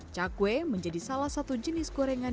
cakwe menjadi salah satu jenis gorengan